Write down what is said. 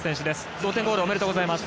同点ゴールおめでとうございます。